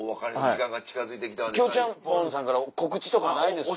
ちゃんぽんさんから告知とかないですか？